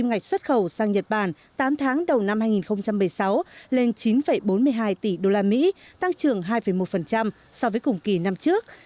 điều đó đã tăng trưởng lên chín bốn mươi hai tỷ usd tăng trưởng hai một so với cùng kỳ năm trước